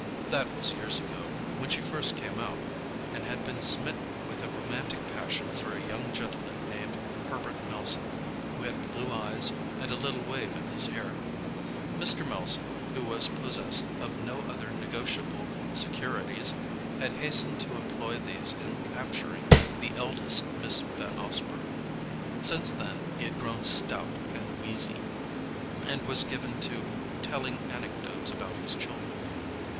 That was years ago, when she first came out, and had been smitten with a romantic passion for a young gentleman named Herbert Melson, who had blue eyes and a little wave in his hair. Mr. Melson, who was possessed of no other negotiable securities, had hastened to employ these in capturing the eldest Miss Van Osburgh: since then he had grown stout and wheezy, and was given to telling anecdotes about his children.